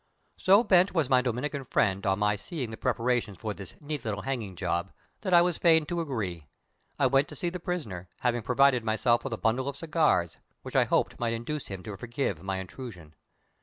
So bent was my Dominican friend on my seeing the preparations for this "neat little hanging job" that I was fain to agree. I went to see the prisoner, having provided myself with a bundle of cigars, which I hoped might induce him to forgive my intrusion.